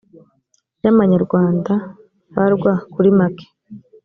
y amanyarwanda frw kuri make